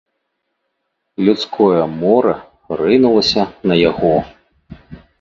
Людское мора рынулася на яго.